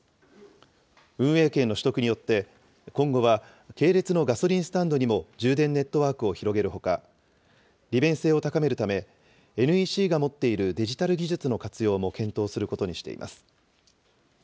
運営権の取得によって、今後は系列のガソリンスタンドにも充電ネットワークを広げるほか、利便性を高めるため、ＮＥＣが持っているデジタル技術の活用も検討することにしています。